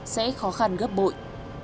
sẽ khó khăn gấp bội